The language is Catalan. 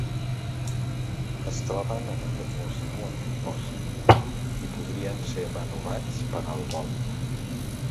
Es troben en aquest museu en dipòsit, i podrien ser renovats per al vol.